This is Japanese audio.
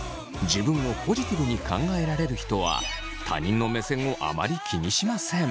自分をポジティブに考えられる人は他人の目線をあまり気にしません。